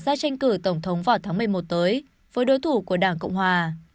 để tái tranh cử tổng thống vào tháng một mươi một tới với đối thủ của đảng cộng hòa